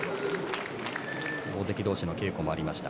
大関同士の稽古がありました。